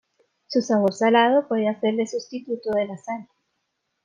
Su sabor salado puede hacerle sustituto de la sal.